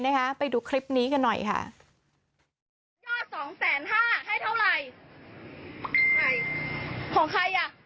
พันเดียวอ่าให้หนูพันเดียวใช่ไหมอ่าดูนะค่ะนี่นะค่ะ